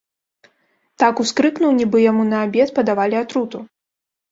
Так ускрыкнуў, нібы яму на абед падавалі атруту.